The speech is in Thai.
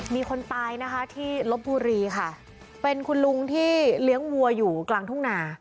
มีคนตายนะคะที่ลบบุรีค่ะเป็นคุณลุงที่เลี้ยงวัวอยู่กลางทุ่งนา